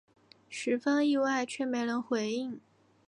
十分意外却没人回应